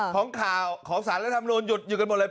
ของสารและธรรมนูญหยุดอยู่กันหมดเลย